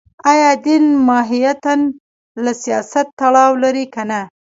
ایا دین ماهیتاً له سیاست تړاو لري که نه